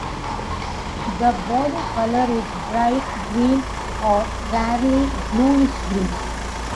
The body colour is bright green or, rarely, bluish green.